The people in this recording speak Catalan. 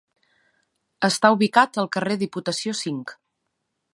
Està ubicat al carrer Diputació cinc.